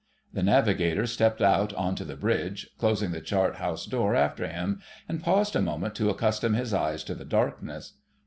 The Navigator stepped out on to the bridge, closing the chart house door after him, and paused a moment to accustom his eyes to the darkness.